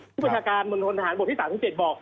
บริษัทบริษฐการณ์บนธนฐานบทที่๓๗บอก